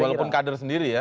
walaupun kader sendiri ya